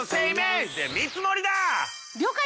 了解！